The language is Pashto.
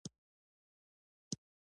هغه قوماندانان چې پر امریکایي ډالرو روږدي وو.